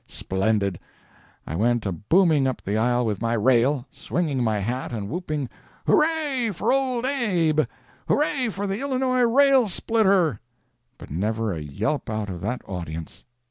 Splendid! I went a booming up the aisle with my rail, swinging my hat and whooping: "Hoo ray for Old Abe—hoo ray for the Illinois rail splitter!" But never a yelp out of that audience.